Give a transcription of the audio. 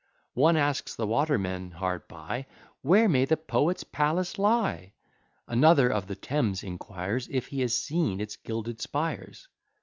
One asks the watermen hard by, "Where may the Poet's palace lie?" Another of the Thames inquires, If he has seen its gilded spires?